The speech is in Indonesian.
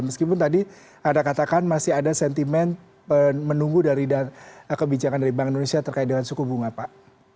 meskipun tadi anda katakan masih ada sentimen menunggu dari kebijakan dari bank indonesia terkait dengan suku bunga pak